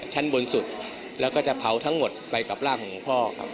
ชั้นบนสุดแล้วก็จะเผาทั้งหมดไปกับร่างของหลวงพ่อครับ